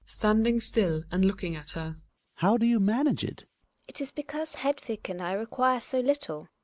(Standing Ml and looking at her.) How do you manage it ? GiNA. It is because Hedvik and I require so little.